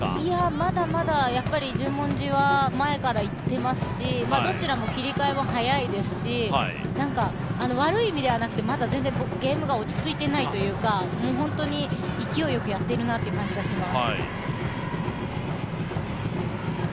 まだまだ十文字は前からいってますしどちらも切り替えは速いですし、悪い意味ではなくて、まだ全然ゲームが落ち着いていないというか、本当に勢いよくやっているなという感じがします。